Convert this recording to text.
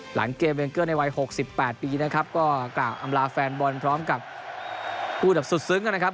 หลังเกมเวงเกอร์ในวัย๖๘ปีนะครับก็กล่าวอำลาแฟนบอลพร้อมกับพูดแบบสุดซึ้งนะครับ